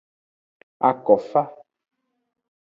Akofa.